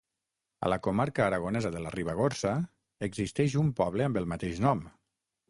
A la comarca aragonesa de la Ribagorça existeix un poble amb el mateix nom.